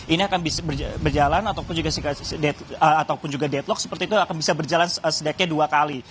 ini akan bisa berjalan ataupun juga deadlock seperti itu akan bisa berjalan sedaknya dua kali